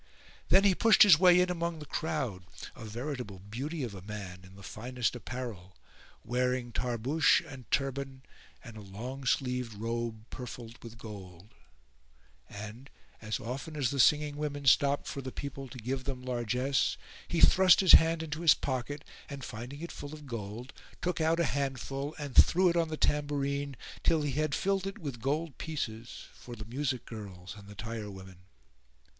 Then he pushed his way in among the crowd, a veritable beauty of a man in the finest apparel, wearing tarbush [FN#406] and turband and a long sleeved robe purfled with gold; and, as often as the singing women stopped for the people to give them largesse, he thrust his hand into his pocket and, finding it full of gold, took out a handful and threw it on the tambourine [FN#407] till he had filled it with gold pieces for the music girls and the tirewomen.